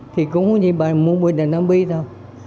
thì cũng như bà mưu bình là nam bi thôi